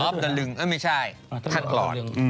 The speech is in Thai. อ๊อฟเดอรึงไม่ใช่ท่านหลอด